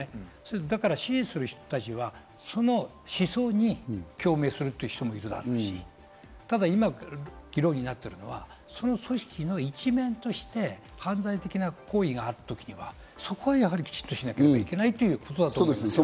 だから支援する人たちは、その思想に共鳴する人もいるだろうし、ただ今、議論になっているのは、その組織の一面として犯罪的な行為があったときは、そこはやはりきちっとしなければいけないということだと思う。